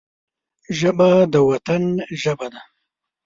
ژبه د وطن ژبه ده